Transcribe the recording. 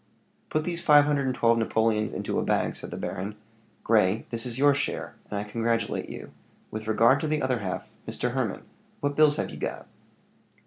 "Put these five hundred and twelve Napoleons into a bag," said the baron; "Grey, this is your share, and I congratulate you. With regard to the other half, Mr. Hermann, what bills have you got?"